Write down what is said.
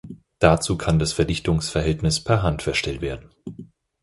Dazu kann das Verdichtungsverhältnis per Hand verstellt werden.